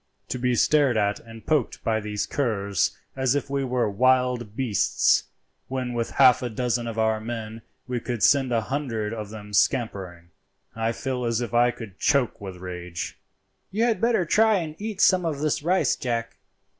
To be stared at and poked by these curs as if we were wild beasts, when with half a dozen of our men we could send a hundred of them scampering, I feel as if I could choke with rage." "You had better try and eat some of this rice, Jack.